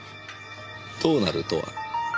どうなるとは？